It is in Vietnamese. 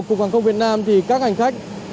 cục hàng không việt nam thì các hành khách